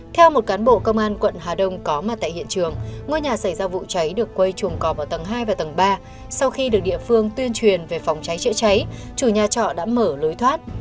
theo một cán bộ công an quận hà đông có mặt tại hiện trường ngôi nhà xảy ra vụ cháy được quay chuồng cò vào tầng hai và tầng ba sau khi được địa phương tuyên truyền về phòng cháy chữa cháy chủ nhà trọ đã mở lối thoát